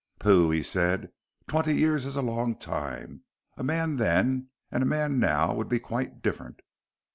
"Pooh," he said, "twenty years is a long time. A man then, and a man now, would be quite different."